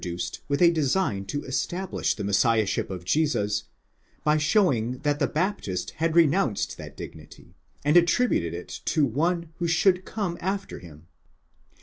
duced with a design to establish the Messiahship of Jesus, by showing that the Baptist had renounced that dignity, and attributed it to one who should come after him.